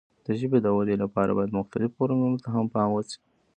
د ژبې د وده لپاره باید مختلفو فرهنګونو ته هم پام وشي.